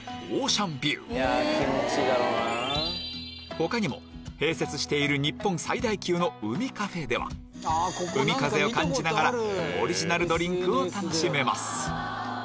他にも併設している日本最大級の海カフェではオリジナルドリンクを楽しめます